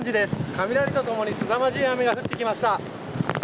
雷と共にすさまじい雨が降ってきました。